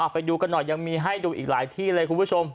ไปดูกันหน่อยยังมีให้ดูอีกหลายที่เลยคุณผู้ชม